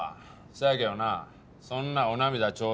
そやけどなそんなお涙頂戴